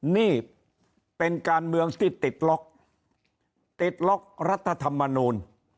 นี่เป็นการเมืองที่ติดล็อกติดล็อกรัฐธรรมนูล